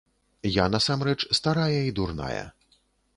Я насамрэч старая і дурная.